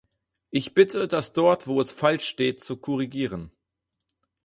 Ich bitte, das dort, wo es falsch steht, zu korrigieren.